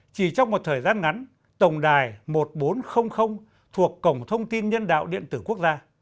chỉ trong một thời gian ngắn tổng đài một nghìn bốn trăm linh thuộc cổng thông tin nhân đạo điện tử quốc gia